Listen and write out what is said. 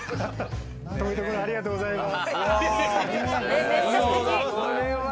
遠いところ、ありがとうございます。